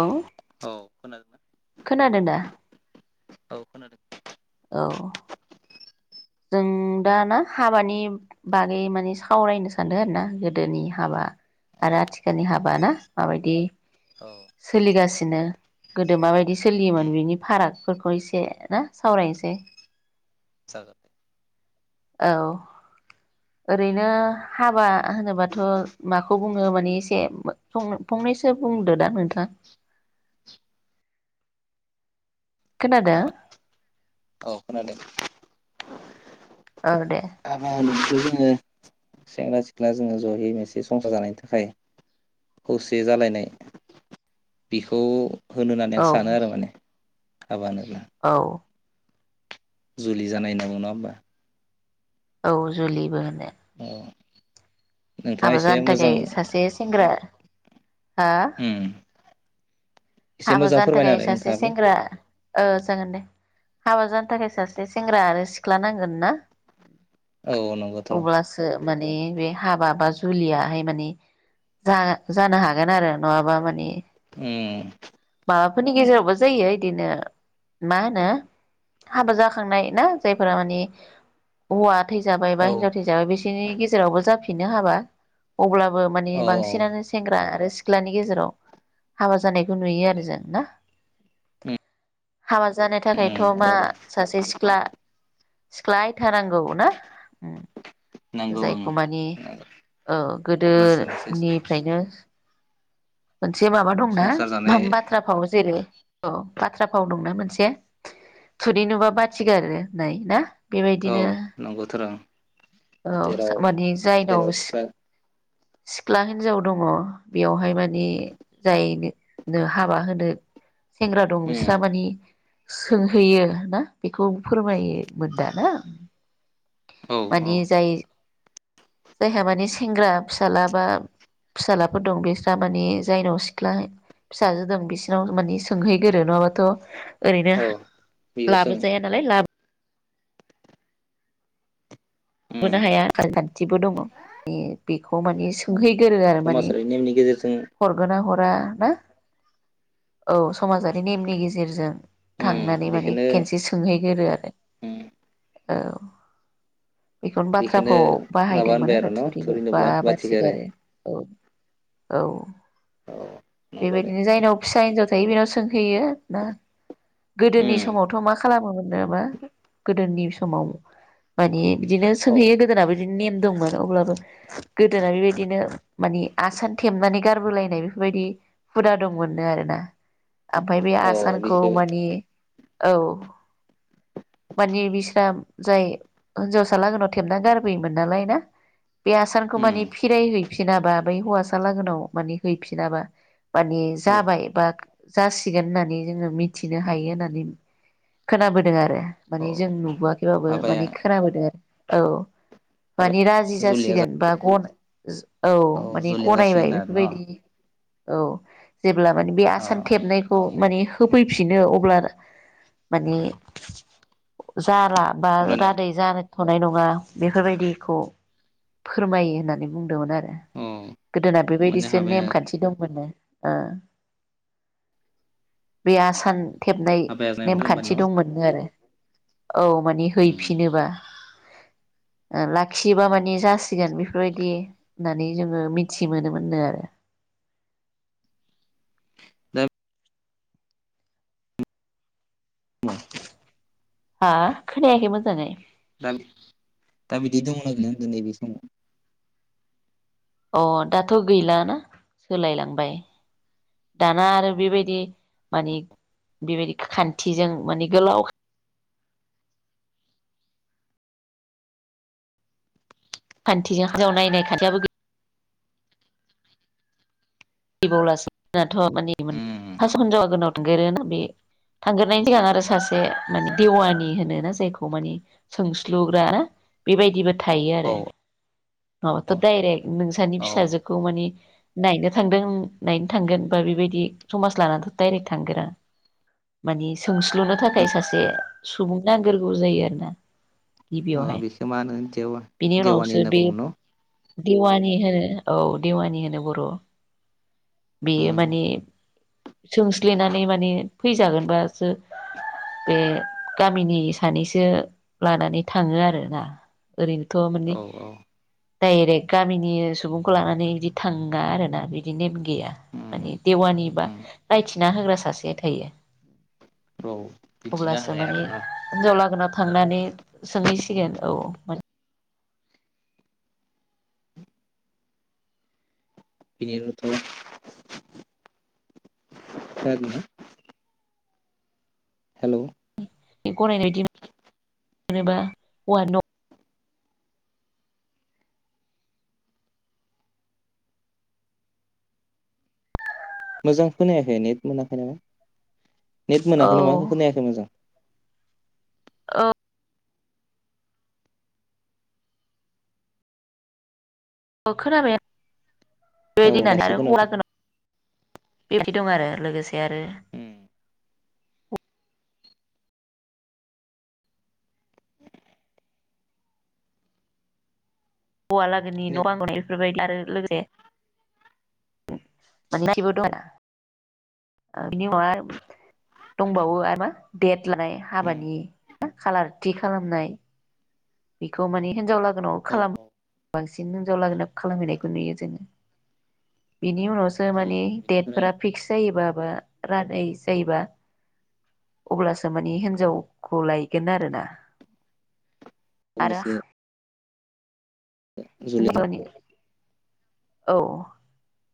औ औ खोनादोंना? खोनादों दा? औ खोनादों, औ जों दाना हाबानि बागै माने सावरायनो सानदों आरो ना गोदोनि हाबा आरो औ आथिखालनि हाबा ना माबायदि, सोलिगासि नो गोदो माबायदि सोलियोमोन उम बिनि फारागफोरखौ एसे ना सावरायनोसै, जागोन, औ ओरैनो हाबा होनोबाथ' माखौ बुङो माने एसे फं फंनैसो बुं, दो दां नोंथाङा, खोनादो, औ खोनादों ओ दे हाबा नोंखो जोङो सेंग्रा सिख्ला जोङो जयै मोनसे संसार जानायनि थाखाय खौसे जालायनाय बिखौ, होनो होनानै औ आं सानो आरो माने, हाबा होनोब्ला, औ जुलि जानाय होनना बुङो नङा होमबा, औ जुलिबो, औ नोंथाङा हाबा एसे जानो मोजां थाखाय सासे सेंग्रा, हा उम एसे हाबा मोजां जानो फोरमायना थाखाय होलाय सासे नोंथाङाबो सेंग्रा ओ, जागोन दे हाबा जानो थाखाय सासे सेंग्रा आरो सिख्ला नांगोन ना? औ नंगौथ' अब्लासो माने बे हाबा बा जुलियाहाय माने जानो जानो हागोन आरो नङाबा माने, ए माबा फोरनि गेजेरावबो जायो इदिनो मा होनो हाबा जाखांनाय ना जायफोरा माने हौवा, थैजाबाय बा औ हिनजाव थैजाबाय बिसो बिनि गेजेरावबो जाफिननो हाबा अब्ला, बो माने औ बांसिनानो सेंग्रा आरो, सिख्लानि गेजेराव हाबा जानायखौ नुयो आरो गोजोना उम हाबा जानो थाखायथ' उम मा आरो सासे सिख्ला, सिख्लाय फैखानांगौ ना उम नांगौ ओं जायखौ माने औ अब्लासो मोनसे गोदोनिफ्रायनो, मोनसे माबा दंना संसार जानाय [unintelligible] औ जेरै औ बाथ्रा फाव दंना मोनसे थुुरि नुबा बाथि गारो होननाय ना फा औ बेबायदिनो नंगौथ' र' औ जेराव माने जायगायाव जेराव सि सिखा सिख्ला हिनजाव दङ बेयावहाय माने जायनो हाबा होनो सेंग्रा दं बिस्रा माने सोंहैयो ना बेखौ फोरमायोमोनदा ना? औ माने औ जाय जायहा माने सेंग्रा फिसाला बा फिसालाफोर दं बिस्रा माने जायनाव सिख्ला फिसाजो दं बिसोरनाव माने सोंहैग्रोयो नङाबाथ ओरैनो औ बेयो जों लाबोजाया नालाय लाबो उम लाबोनो हाया आसार खान्थिबो दङ माने बेखौ माने सोंहैग्रोयो आरो माने समाजारि नेमनि गेजेरजों हरगोन ना हर [unintelligible] औ समाजारि नेमनि गेजेरजों थांनानै माने बेखौनो खेनसे सोंहैग्रोयो आरो। औ बेखौनो बाथ्रा फावाव माबा बाहायदोंमोन होनबाय आरो न' थुरिखौ बा थुरिनोब्ला बाथिखो आरो बाथिगारो औ। औ औ नंगौ दे बेबायदिनो जायनाव फिसा हिनजाव थायो बेनाव सोंहैयो ना गोदोनि उम समावथ मा खालामोमोन नामा गोदोनि समाव माने फि बिदिनो औ सोंहैयो गोदोनाबो बिदिनो नेम दंमोन अब्लाबो गोदोना बेबायदिनो माने आसान थेबनानै गारबोलायनाय बेफोरबायदि हुदा दंमोननो आरोना ओमफाय बे अ आसानखौ बेखो मानि औ माने बिस्रा जाय हिनजावसा लागोनाव थेबना गारबोयोमोन नालाय ना बे आसानखौ उम माने फिराय हैैफिनाबा बै हौवासालागोनाव माने हैफिनाबा माने औ जाबाय बा जासिगोन होननानै जोङो मिथिनो हायो होननानै खोनाबोदों आरो औ माने जों नुबोआ खै बाबो हाबाया मानि दे औ हाबा मानि राजि जुलिया जा जासिगोन बा गन औ माने जुलिया गनायबाय जासिगोन आरो न' बेफोरबायदि औ जेब्ला माने बे अ आसान थेबनायखौ माने होफैफिनो अब्ला माने जाला बा अब्लानो राद जाहोथनाय नङा बेफोरबायदिखौ फोरमायो होननानै बुंदोंमोन आरो। औ गोदोना माने बेबायदिसो हाबाया नेमखान्थि दंमोननो ओ बे आसान थेबनाय हाबाया जागोन होनबा नेमखान्थि न' दंमोन नो आरो औ मा उम फिनोबा ओ लाखियोबा माने जासिगोन बेफोरबायदि होननानै जोङो मिथि मोनोमोन नो आरो दा [inaudible] हा खोनायाखै मोजांङै दा दा बिदि दङ ना गैला होनदो नैबे समाव? अ दाथ गैलाना सोलायलांबाय दाना आरो बेबायदि मानि बेबायदि खान्थिजों मानि गोलाव खान्थिजों हिनजाव नायनाय खान्थियाबो गै बावलासो जोंनाथ उम माने [unintelligible] बे थांग्रोनायनि सिगां आरो सासे माने देवानि होनो ना जायखौ माने सोंस्लुग्रा ना बेबायदिबो थायो औ आरो नङाबाथ' डायरेक्ट नोंसोरनि औ फिसाजोखौ माने नायनो थांदों नायनो थांगोन बा बेबायदि समाज लानाथ' डाइरेक्ट थांगोरा मानि सोंस्लुनो थाखाय सासे सुबुं नांगोरगौ जायो आरोना अ गिबियावहाय बेखो मा होनो बिनि देव-देवानि उनावसो होनना बे बुंङो न'? देवानि होनो औ देवानि होनो बर' बेयो उम माने सोंस्लिनानै माने फैजागोनबासो बे गामिनि सानैसो लानानै थाङो आरोना ओरैनोथ माने औ औ डाइरेक्ट गामिनि सुबुंखौ लानानै बिदि थाङा आरोना बि दि नेम गैया उम माने देवानि बा उम रायथिना होग्रा सासे थायो। औ बिदिना अब्लासो होनाय माने आरो न' हिन्जाव लागोना थांनानै सोंहैसिगोन औ बिदिनोथ' खोनादोना? गनायनाय [unintelligible] मोनोबा हौवानि न' मोजां खोनायाखै नेट मोनाखै नामा? नेट औ मोनाखै नामा खोनायाखै मोजां औ औ खोनाबाय औ बेबायदिनो दासो आरो हौवा खोनादों [unintelligible] दं आरो लोगोसे आरो उम [inaudible] हौवालागोनि न' नेट बां इफोरबायदि आरो लोगोसे [unintelligible] बिनि उन दंबावो आर मा देट लानाय उम हाबानि खालार थि खालामनाय बेखौ माने हिनजाव लागोनाव औ खालामो औ बांसिन हिनजाव लागोनाव खालामहैनायखौ नुयो जोङो बेनि उनाव सो उम माने बिनिफ्राय देथफोरा पिक्स जायोबा रादाय जायोबा अब्लासो माने हिन्जावखौ लायगोन आरोना आरो जुलि न' हिनजावनि औ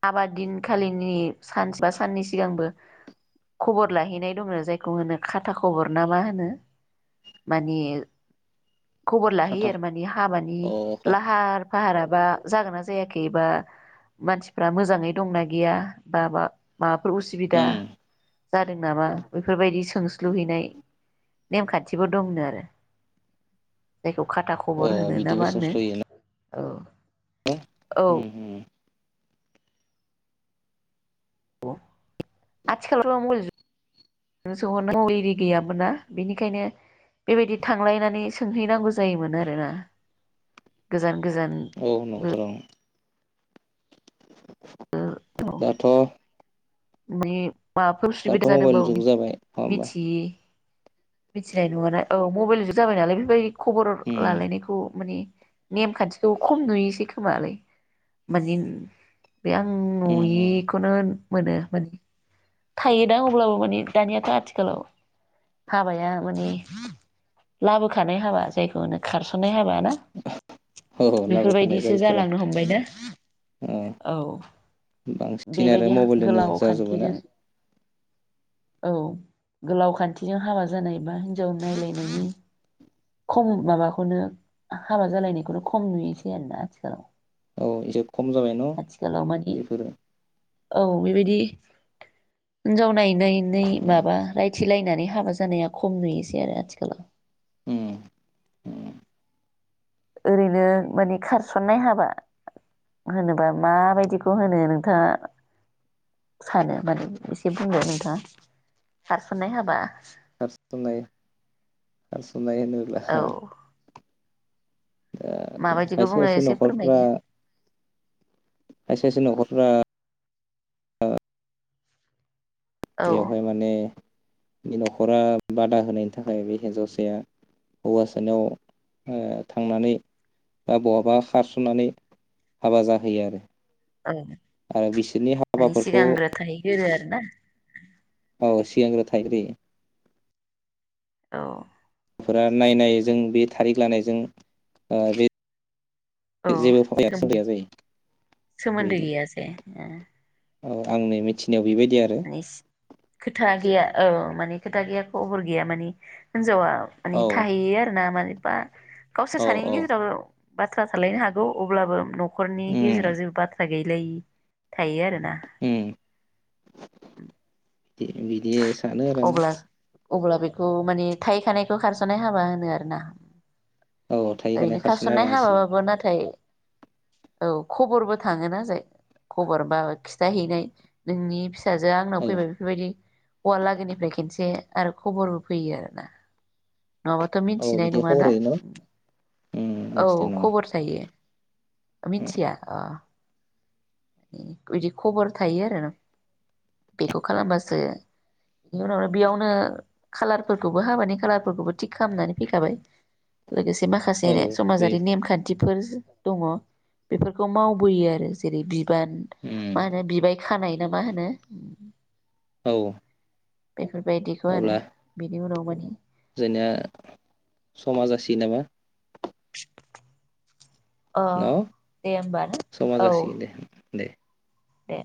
हाबा दिनखालिनि सानसे बा साननि सिगांबो खबर लाहैनाय दङो जायखौ होनो खाथा खबर ना मा होनो माने खबर लाहैयो खाथा आरो मानि हाबानि अ लाहार फाहाराबा जागोन ना जायाखै बा मानसिफ्रा मोजाङै दंना गैया बा माबाफोर उसुबिदा उम जादों नामा बेफोर बादि सोंस्लु हैनाय नेम खान्थिबो दंनो आरो जायखौ खाथा ख अ खबर होनो ना बिदिबो मा होनो सोंस्ल'यो औ उम औ होम [inaudible] गैयामोन ना बिनिखायनो बेबायदि थांलायनानै सोंहैनांगौ जायोमोन आरोना गोजान गोजान औ [unintelligible] दाथ' [unintelligible] माबाफोर उसुबिदा दाथ' मबाइल जादोंबाबो जुग जाबाय नङा होमबा मिथि मिथिनाय नुवा औ मबाइल जुग जाबाय नालाय बेबायदि खबर उम लालायनायखौ माने नेमखान्थिखौ खम नुयोसै खोमालाय मानि बे आं उम उम नुयिखौनो मोनो। माने थायोदा अब्लाबो माने दानियाथ आथिखालाव हाबाया माने लाबोखानाय हाबा जायखौ होनो खारसननाय हाबा ना? औ लाबोखानाय बेफोरबायदिसो जायोथ आर जालांनो हमबायना ओ औ बांसिन आरो बेबायदि मबाइल जोंनो जा [unintelligible] औ गोलाव खान्थिजों हाबा जानाय बा हिनजाव नायलायनायनि खम माबाखौनो हाबा जालायनायखौनो खम नुयोसै आरोना आथिखालाव। औ एसे खम जाबाय न आथिखालाव मानि बेफोरो? औ बेबायदि हिनजाव नायनायनै माबा रायथिलायनानै हाबा जानाया खम नुयोसै आरो आथिखालाव। उम उम ओरैनो माने खारसननाय हाबा होनोबा माबायदिखौ होनो नोंथाङा सानो माने एसे बुंलाय नोंथाङा खारसननाय हाबा खारसननाय खारसननाय होनोब्ला औ दा माबायदिखौ खायसे बुङो खायसे एसे नखरफ्रा फोरमायदो खायसे खायसे नखरफ्रा अ औ बेवहाय माने बे नखरा बादा होनायनि थाखाय बे हिन्जावसाया हौवासानाव ओ थांनानै बा बहाबा खारसननानै हाबा जाहैयो आरो। औ आरो बिसोरनि माने हाबाफोरखौ सिगांग्रो थाहैगोरो आरो ना औ सिगांग्रो थाहैग्रोयो। औ फुरा नायनाय जों बे थारिख लानायजों ओ बे औ जेबो सोमोन सोलिया जायो सोमोन्दो बेबायदि गैया जे ओ औ आंनि मिथिनायाव बिबाय माने खोथा गैया औ माने खोथा गैया खबर गैया मानि हिनजावा माने औ थाहैयो आरो ना माने बा गावसोर औ सानैनि औ गेजेराव बाथ्रा थालायनो हागौ अब्लाबो नखरनि उम गेजेराव जेबो बाथ्रा गै [unintelligible] थायो आरो ना उम। बिदि बिदि सानो आरो आङो अब्ला अब्ला बेखौ माने थाहै खानायखौ खारसनाय हाबा होनो आरो ना औ थायो होनाय ओरैनो खारसनना खारसननाय होबा हासिगोन हाबाबाबो नाथाय औ खबरबो थाङोना जाय खबर बा खिथाहैनाय नोंनि फिसाजो आंनाव फैबाय औ बेफोरबायदि हौवा लागोनिफ्राय खनसे आरो खबरबो फैयो आरो ना नङाबाथ' औ मिथिनाय बिदि खबर नङाना, होयो न' उम औ मिथिदों नङा खबर थायो। उम मिथिया अ ओम बिदि खबर थायो आरो बेखौ खालामबासो बेनि उनावनो बेयावनो खालारफोरखौबो हाबानि खालारफोरखौबो थिग खालामनानै फैखाबाय। लोगोसे माखासे औ बे समाजारि नेमखान्थि बेफोर दङ बेफोरखौ मावबोयो आरो जेरै बि उम मा होनो बिबाय खानाय ना मा होनो? औ। बेफोरबायदिखौ आरो अब्ला बिनि उनाव मा जोंनिया समा जासि नामा? अ न' दे होमबा ने समा औ। जासिगोन दे दे। दे।